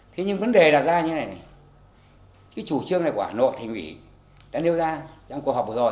thế nhưng vấn đề là ra như thế này cái chủ trương này của hà nội thành quỷ đã nêu ra trong cuộc họp vừa rồi